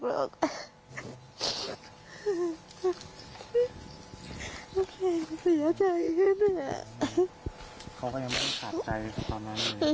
เศร้าใจขึ้น